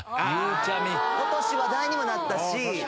ことし話題にもなったし。